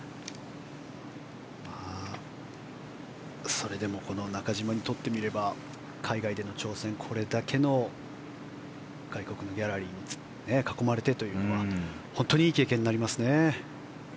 それでも中島にとってみれば海外での挑戦でこれだけの外国人のギャラリーに囲まれてというのは本当にいい経験になりますね。